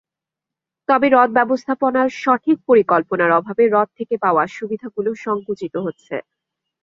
তবে হ্রদ ব্যবস্থাপনার সঠিক পরিকল্পনার অভাবে হ্রদ থেকে পাওয়া সুবিধাগুলো সংকুচিত হচ্ছে।